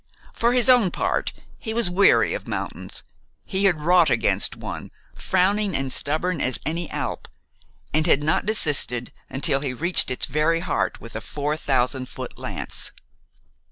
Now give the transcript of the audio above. For his own part, he was weary of mountains. He had wrought against one, frowning and stubborn as any Alp, and had not desisted until he reached its very heart with a four thousand foot lance.